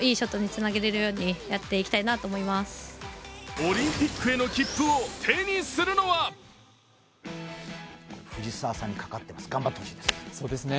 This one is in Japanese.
オリンピックへの切符を手にするのは藤澤さんにかかってます頑張ってほしいです。